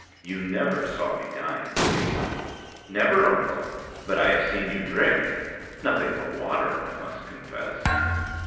You never saw me dine, Kate." "Never, uncle; but I have seen you drink; nothing but water, I must confess."